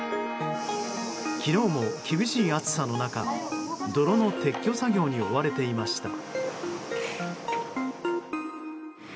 昨日も厳しい暑さの中泥の撤去作業に追われていました。